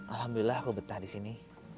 alhamdulillah aku betah di sini